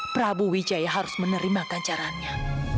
prabu jaya harus menerimakan caranya